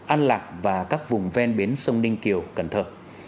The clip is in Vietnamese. an lạc và các vùng ven bến sông ninh kiều cần thơ